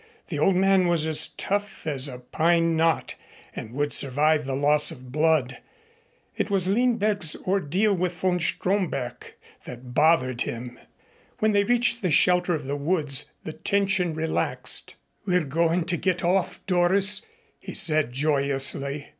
The old man was as tough as a pine knot and would survive the loss of blood. It was Lindberg's ordeal with von Stromberg that bothered him. When they reached the shelter of the woods the tension relaxed. "We're going to get off, Doris," he said joyously.